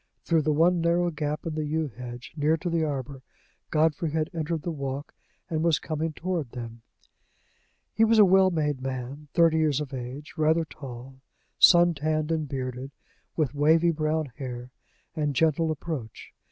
Through the one narrow gap in the yew hedge, near to the arbor, Godfrey had entered the walk, and was coming toward them. He was a well made man, thirty years of age, rather tall, sun tanned, and bearded, with wavy brown hair, and gentle approach.